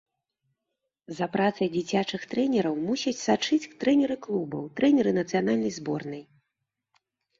За працай дзіцячых трэнераў мусяць сачыць трэнеры клубаў, трэнеры нацыянальнай зборнай.